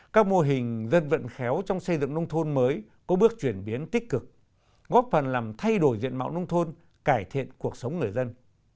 các mô hình dân vận khéo trong xây dựng nông thôn mới có bước chuyển biến tích cực góp phần làm thay đổi diện mạo nông thôn cải thiện cuộc sống người dân